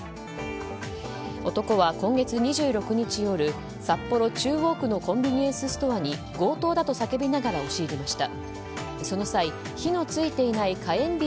男は、今月２６日夜札幌・中央区のコンビニエンスストアに強盗だと叫びながら押し入りました。